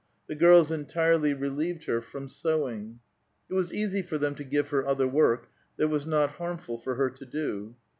The girls entirely relieved her from sew ing. It was easy for them to give her other work that was not harmful for her to do.